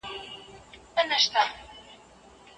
پوهاوی به زیات شي.